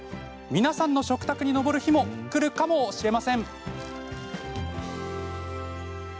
皆さんの食卓に上る日もくるかもしれません。